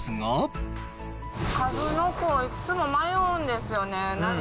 かずのこ、いっつも迷うんですよね。